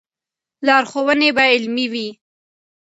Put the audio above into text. لارښوونې به علمي وي.